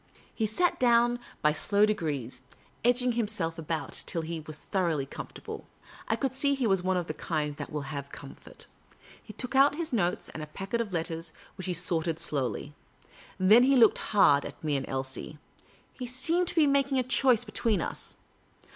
He sat down by slow degrees, edging himself about till he was thoroughly comfortable. I could see he was of the kind that will have comfort. He took out his notes and a packet of letters, which he sorted slowly. Then he looked hard at me and at Elsie. He seemed to be making his choice be tween us.